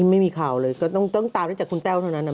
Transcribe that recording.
ไม่มีข่าวเลยก็ต้องตามได้จากคุณแต้วเท่านั้น